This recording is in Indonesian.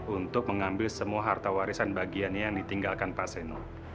untuk mengambil semua harta warisan bagiannya yang ditinggalkan pak seno